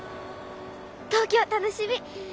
東京楽しみ！